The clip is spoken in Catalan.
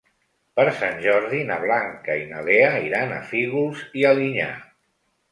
Per Sant Jordi na Blanca i na Lea iran a Fígols i Alinyà.